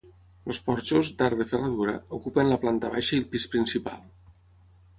Els porxos, d'arc de ferradura, ocupen la planta baixa i el pis principal.